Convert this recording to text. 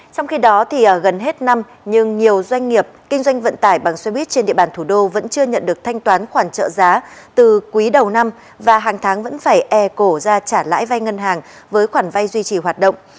trong khi đó gần hết năm nhưng nhiều doanh nghiệp kinh doanh vận tải bằng xe buýt trên địa bàn thủ đô vẫn chưa nhận được thanh toán khoản trợ giá từ quý đầu năm và hàng tháng vẫn phải e cổ ra trả lãi vai ngân hàng với khoản vay duy trì hoạt động